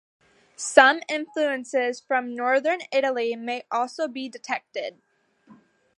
Some influences from Northern Italy may also be detected.